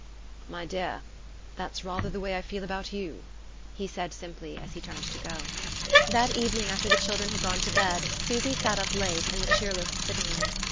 "My dear, that's rather the way I feel about you," he said simply as he turned to go. That evening after the children had gone to bed Susy sat up late in the cheerless sitting room.